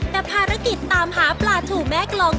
แต่ภารกิจตามหาปลาถูแม่กลอง